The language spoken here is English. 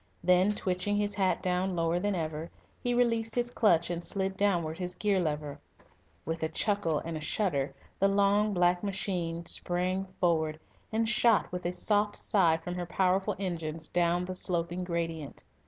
Then, twitching his hat down lower than ever, he released his clutch and slid downward his gear lever. With a chuckle and shudder the long, black machine sprang forward, and shot with a soft sigh from her powerful engines down the sloping gradient.